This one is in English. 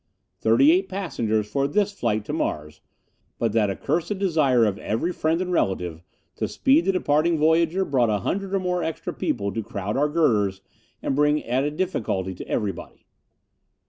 Thirty eight passengers for this flight to Mars, but that accursed desire of every friend and relative to speed the departing voyager brought a hundred or more extra people to crowd our girders and bring added difficulty to everybody.